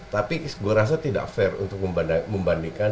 tapi gue rasa tidak fair untuk membandingkan